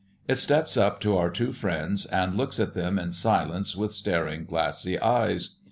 It steps up to our two friends, and looks at them in silence with staring glassy eyes.